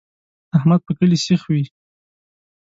احمد په کلي سیخ وي.